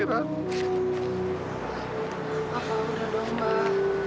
apa udah dong mba